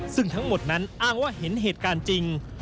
ซึ่งทั้งหมดนั้นอ้างว่าเห็นเหตุการณ์จริง